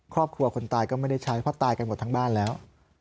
คนตายก็ไม่ได้ใช้เพราะตายกันหมดทั้งบ้านแล้ว